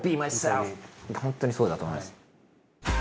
本当にそうだと思います。